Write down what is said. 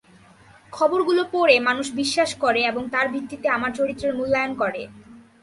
খবরগুলো পড়ে মানুষ বিশ্বাস করে এবং তার ভিত্তিতে আমার চরিত্রের মূল্যায়ন করে।